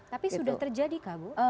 tapi sudah terjadi kak bu